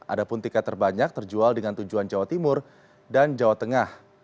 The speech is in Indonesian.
ada pun tiket terbanyak terjual dengan tujuan jawa timur dan jawa tengah